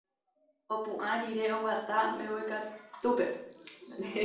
Opu'ã rire oguata mbeguekatúpe.